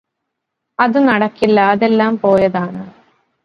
അത് നടക്കില്ല അതെല്ലാം പോയതാണ്